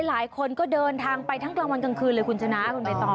หลายคนก็เดินทางไปทั้งกลางวันกลางคืนเลยคุณชนะคุณใบตอง